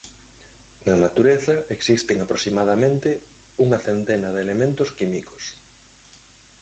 Na natureza existen aproximadamente unha centena de elementos químicos.